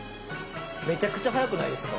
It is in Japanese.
めちゃくちゃ早くないですか？